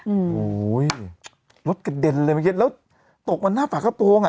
โอ้โหรถกระเด็นเลยเมื่อกี้แล้วตกมาหน้าฝากระโปรงอ่ะ